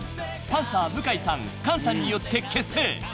パンサー向井さん菅さんによって結成］